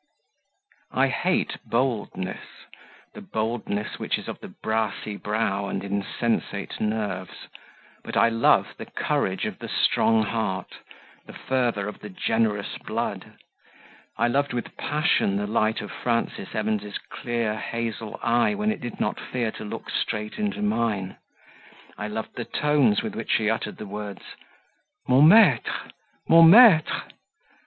I hate boldness that boldness which is of the brassy brow and insensate nerves; but I love the courage of the strong heart, the fervour of the generous blood; I loved with passion the light of Frances Evans' clear hazel eye when it did not fear to look straight into mine; I loved the tones with which she uttered the words "Mon maitre! mon maitre!"